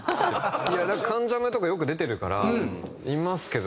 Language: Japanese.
なんか『関ジャム』とかよく出てるから見ますけど。